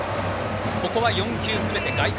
ここは４球すべて外角。